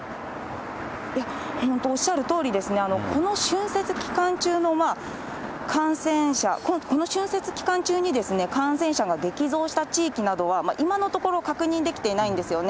本当、おっしゃるとおりですね、この春節期間中の感染者、この春節期間中に感染者が激増した地域などは、今のところ確認できていないんですよね。